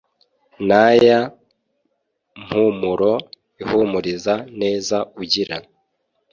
naya mpumuro ihumuriza neza ugira